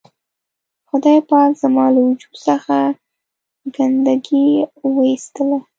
خدای پاک زما له وجود څخه ګندګي و اېستله.